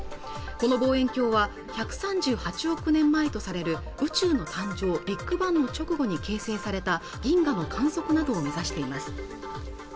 この望遠鏡は１３８億年前とされる宇宙の誕生＝ビッグバンの直後に形成された銀河の観測などを目指しています